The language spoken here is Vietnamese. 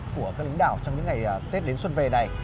của các lính đảo trong những ngày tết đến xuân về này